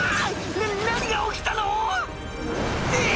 何が起きたの⁉え！